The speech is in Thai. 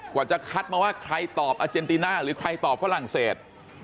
กว่าจะคัดมาว่าใครตอบอาเจนติน่าหรือใครตอบฝรั่งเศส